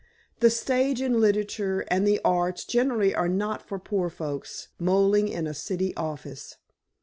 The stage, and literature, and the arts generally are not for poor fellows moiling in a City office.